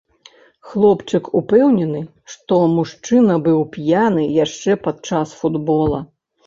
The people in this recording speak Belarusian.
Хлопчык упэўнены, што мужчына быў п'яны яшчэ падчас футбола.